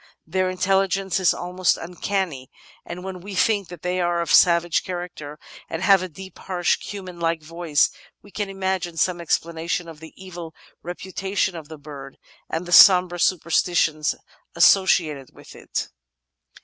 Their intelligence is almost uncanny, and when we think that they are of savage character and have a deep, harsh, hu man like voice, we can imagine some explanation of the evil repu tation of the bird, and the sombre superstitions associated with it.